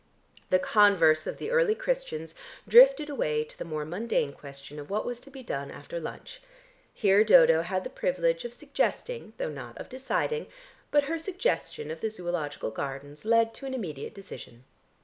The "converse" of the early Christians drifted away to the more mundane question of what was to be done after lunch. Here Dodo had the privilege of suggesting though not of deciding, but her suggestion of the Zoological Gardens led to an immediate decision.